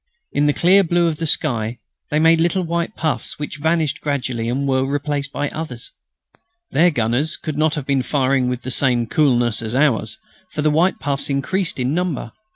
In the clear blue of the sky they made little white puffs which vanished gradually and were replaced by others. Their gunners could not have been firing with the same coolness as ours, for the white puffs increased in number.